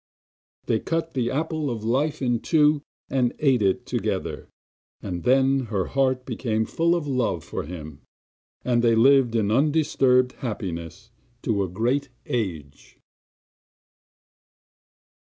They cut the Apple of Life in two and ate it together; and then her heart became full of love for him, and they lived in undisturbed happiness to a great age.